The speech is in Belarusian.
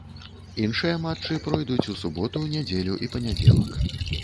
Іншыя матчы пройдуць у суботу, нядзелю і панядзелак.